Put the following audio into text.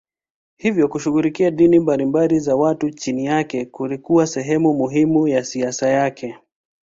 Hivyo kushughulikia dini mbalimbali za watu chini yake kulikuwa sehemu muhimu ya siasa yake.